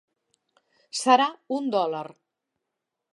Serà un dòlar.